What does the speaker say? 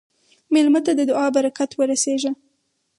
مېلمه ته د دعا برکت ورسېږه.